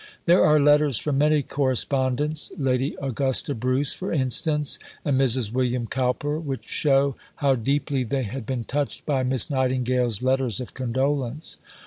There are letters from many correspondents Lady Augusta Bruce, for instance, and Mrs. William Cowper which show how deeply they had been touched by Miss Nightingale's letters of condolence.